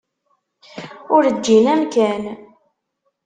Ur ǧǧin amkan.